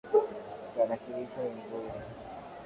Tarakilishi ni nzuri.